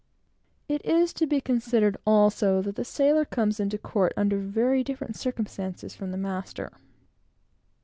It is to be considered, also, that the sailor comes into court under very different circumstances from the master.